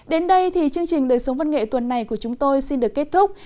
đến đây thì chương trình đời sống văn nghệ tuần này của chúng tôi xin được kết thúc